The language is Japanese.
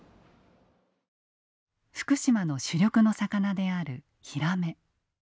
福島の主力の魚であるヒラメ。